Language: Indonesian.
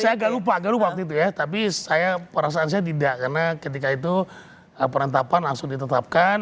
saya agak lupa agak lupa waktu itu ya tapi saya perasaan saya tidak karena ketika itu penetapan langsung ditetapkan